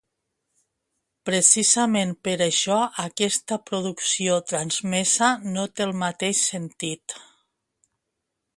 Precisament per això aquesta producció transmesa no té el mateix sentit.